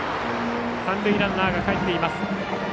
三塁ランナーがかえっています。